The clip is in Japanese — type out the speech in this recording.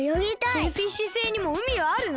シェルフィッシュ星にもうみはあるの？